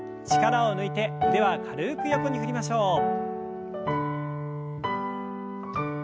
力を抜いて腕は軽く横に振りましょう。